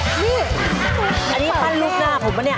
นี่อันนี้ปั้นรูปหน้าผมปะเนี่ย